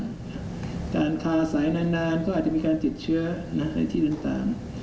การทาสายนานก็อาจจะมีการติดเชื้อในที่ต่าง